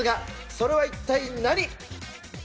それは一体何。